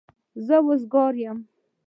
زه زوکام یم